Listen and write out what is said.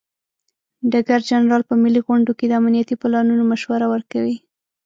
ډګر جنرال په ملي غونډو کې د امنیتي پلانونو مشوره ورکوي.